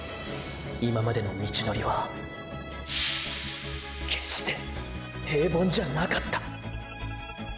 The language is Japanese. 今までの道のりは決して平凡じゃなかった